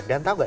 dan tau nggak